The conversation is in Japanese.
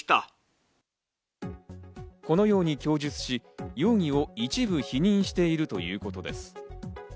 このように供述し、容疑を一部否認しているということです。